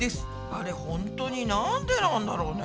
あれほんとになんでなんだろうね？